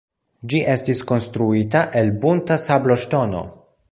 Ĝi estis konstruita el bunta sabloŝtono.